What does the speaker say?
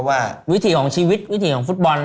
วิถีของชีวิตวิถีของฟุตบอล